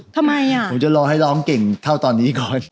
ทำไมอ่ะผมจะรอให้ร้องเก่งเท่าตอนนี้ก่อน